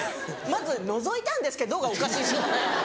まず「のぞいたんですけど」がおかしいんですよね。